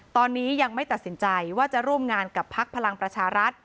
ตอนนี้ยังไม่ตัดสินใจว่าจะร่วมงานกับพักพลังประชารัฐ